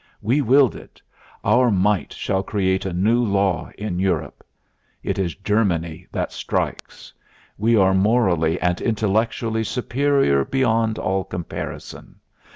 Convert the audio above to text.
We willed it. Our might shall create a new law in Europe. It is Germany that strikes. We are morally and intellectually superior beyond all comparison....